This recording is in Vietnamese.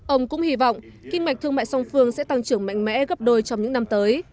ông cũng hy vọng kinh mạch thương mại song phương sẽ tăng trưởng mạnh mẽ gấp đôi trong những năm tới